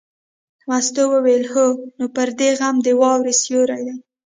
مستو وویل: هو نو پردی غم د واورې سیوری دی.